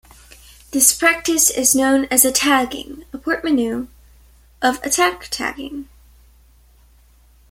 This practice is known as "attagging", a portmanteau of "attack tagging".